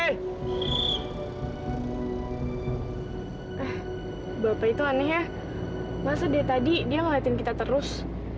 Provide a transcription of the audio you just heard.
eh bapak itu aneh ya masa deh tadi dia ngeliatin kita terus